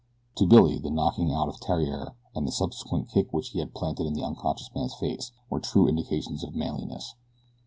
To Billy the knocking out of Theriere, and the subsequent kick which he had planted in the unconscious man's face, were true indications of manliness.